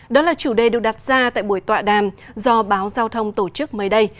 đó là chủ đề được đặt ra tại buổi tọa đàm do báo giao thông tổ chức mới đây